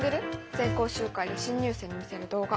全校集会で新入生に見せる動画。